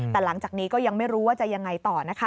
แต่หลังจากนี้ก็ยังไม่รู้ว่าจะยังไงต่อนะคะ